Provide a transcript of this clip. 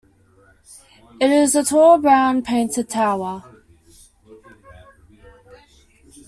It is a tall brown painted tower.